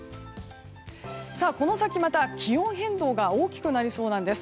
この先また気温変動が大きくなりそうなんです。